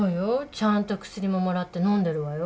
ちゃんと薬ももらってのんでるわよ。